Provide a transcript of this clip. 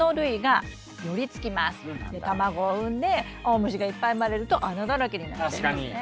で卵を産んで青虫がいっぱい生まれると穴だらけになっちゃいますね。